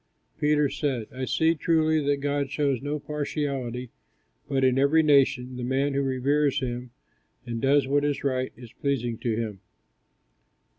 Peter said, "I see, truly, that God shows no partiality; but in every nation, the man who reveres him, and does what is right, is pleasing to him."